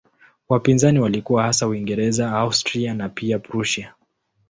Wapinzani walikuwa hasa Uingereza, Austria na pia Prussia.